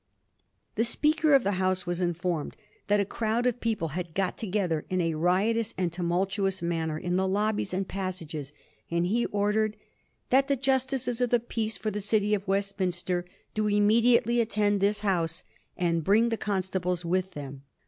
The Speaker of the House was informed that a crowd of people had got together in a riotous and tumultuous manner in the lobbies and passages, and he ordered ^ that the Justices of the Peace for the City of West minster do immediately attend this House, and bring the constables with them.'